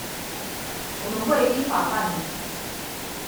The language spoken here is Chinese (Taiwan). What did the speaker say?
我們會依法辦理